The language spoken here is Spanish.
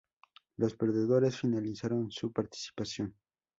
Los perdedores finalizaron su participación.